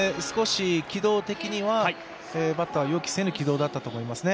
軌道的には、バッターは予期せぬ軌道だったと思いますね。